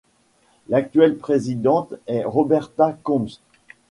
L'actuelle présidente est Roberta Combs.